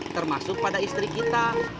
termasuk pada istri kita